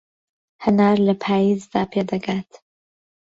هەنار لە پایزدا پێدەگات